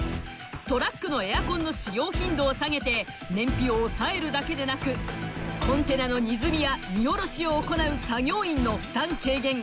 トラックのエアコンの使用頻度を下げて燃費を抑えるだけでなくコンテナの荷積みや荷下ろしを行う作業員の負担軽減。